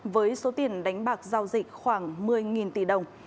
với số tiền đánh bạc giao dịch khoảng một mươi tỷ đồng